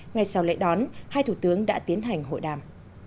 ngày sau lễ đón hai thủ tướng đã tiến hành hội đàm